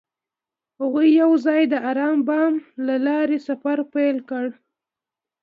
هغوی یوځای د آرام بام له لارې سفر پیل کړ.